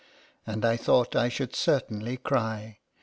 " and I thought I should certainly cry.